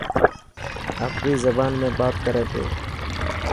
آپري زبان ۾ بات ڪري پيو.